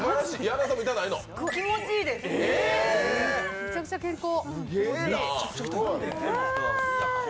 めちゃくちゃ健康。